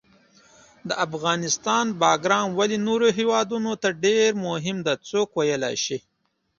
د افغانستان باګرام ولې نورو هیوادونو ته ډېر مهم ده، څوک ویلای شي؟